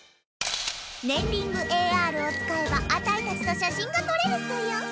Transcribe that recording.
⁉ねんリングＡＲをつかえばあたいたちとしゃしんがとれるぞよ